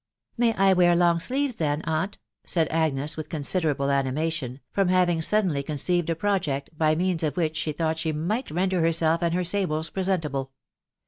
...."" May I wear long sleeves then, aunt ?" said Agnes with considerable animation, from having suddenly conceived a pro ject, by means of which she thought she might render herself and her sables presentable.